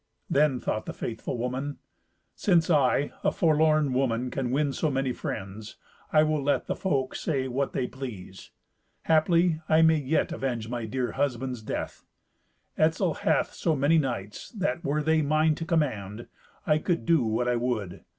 Then thought the faithful woman, "Since I, a forlorn woman, can win so many friends, I will let the folk say what they please. Haply I may yet avenge my dear husband's death. Etzel hath so many knights that, were they mine to command, I could do what I would.